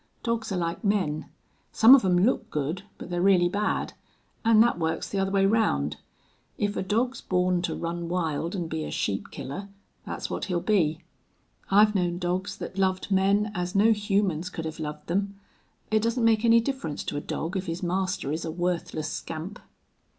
Dogs are like men. Some of 'em look good, but they're really bad. An' that works the other way round. If a dog's born to run wild an' be a sheep killer, that's what he'll be. I've known dogs that loved men as no humans could have loved them. It doesn't make any difference to a dog if his master is a worthless scamp."